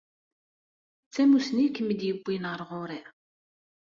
D tamussni i kem-id-yewwin ar ɣur-i?